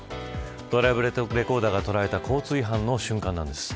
ドライブレコーダーが捉えた交通違反の瞬間なんです。